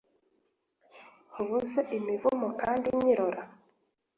Nabuze imivumu kandi nyirora